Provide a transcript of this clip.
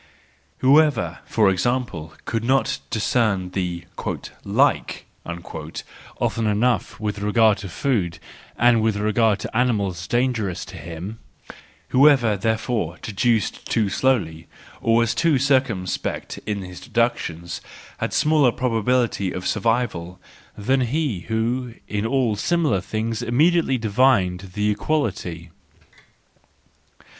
Whoever, for example, could not discern the "like" often enough with regard to food, and with regard to animals dangerous to him, whoever, therefore, deduced too slowly, or was too circum¬ spect in his deductions, had smaller probability of survival than he who in all similar things immedi¬ ately divined the equality.